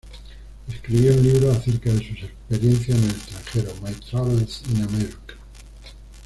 Escribió un libro acerca de sus experiencias en el extranjero, "My Travels in America".